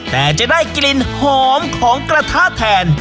แต่จะได้กลิ่นหอมของกระทะแทน